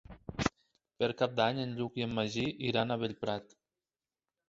Per Cap d'Any en Lluc i en Magí iran a Bellprat.